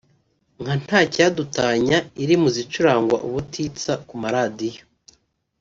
nka ‘Nta cyadutanya’ iri mu zicurangwa ubutitsa ku maradiyo